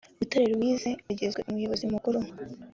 butare louis agizwe umuyobozi mukuru